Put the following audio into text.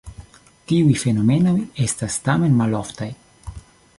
Tiuj fenomenoj estas tamen maloftaj.